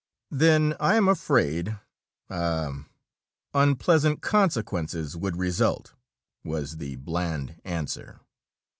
"Then I am afraid ah unpleasant consequences would result," was the bland answer.